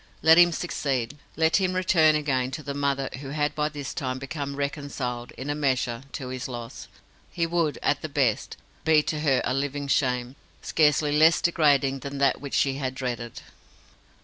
Let him succeed, let him return again to the mother who had by this time become reconciled, in a measure, to his loss; he would, at the best, be to her a living shame, scarcely less degrading than that which she had dreaded.